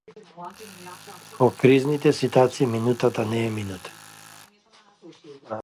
Во кризните ситуации минутата не е минута.